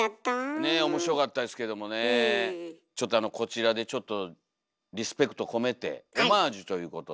ちょっとこちらでリスペクトこめてオマージュということで。